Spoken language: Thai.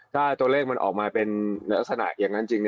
ถ้าตัวเลขมันออกมาเป็นลักษณะอย่างนั้นจริง